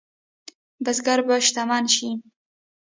بزګر به شتمن شي؟